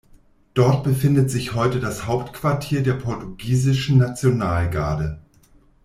Dort befindet sich heute das Hauptquartier der portugiesischen Nationalgarde.